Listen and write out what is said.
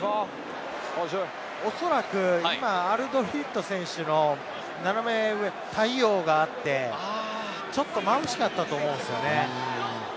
おそらく今、アルドリット選手の斜め上に太陽があって、ちょっと眩しかったと思うんですよね。